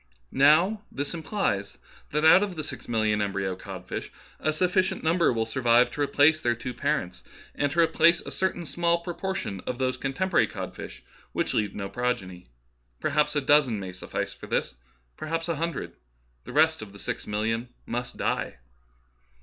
Now this implies that out of the six million em bryo codfish a sufficient number will survive to replace their two parents, and to replace a certain small proportion of those contemporary codfishes who leave no progeny. Perhaps a dozen may suffice for this, perhaps a hundred. The rest of the six million must die."